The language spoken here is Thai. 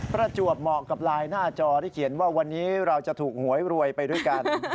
ประจวบเหมาะกับไลน์หน้าจอที่เขียนว่าวันนี้เราจะถูกหวยรวยไปด้วยกัน